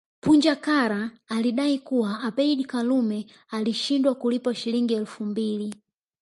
Punja Kara alidai kuwa Abeid Karume alishindwa kulipa Shilingi elfu mbili